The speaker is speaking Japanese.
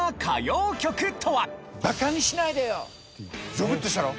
ゾクッとしたろ？